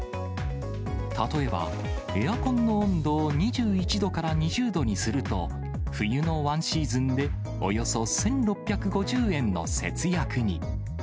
例えば、エアコンの温度を２１度から２０度にすると、冬のワンシーズンで、およそ１６５０円の節約に。